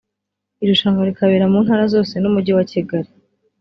irushanwa rikabera mu ntara zose n'umujyi wa Kigali